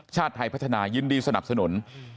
ชาติไทยพัฒนายินดีสนับสนุน